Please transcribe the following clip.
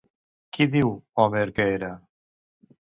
Qui diu Homer que era?